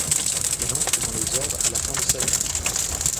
Il entre dans les ordres à la fin de sa vie.